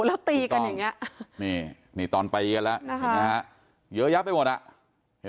แล้วตีกันอย่างเงี้ยเหตุตอนใบเรียนแล้วปัญญาเยอะแยะไปหมดอะเห็น